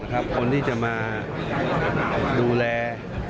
คนที่จะมาดูแล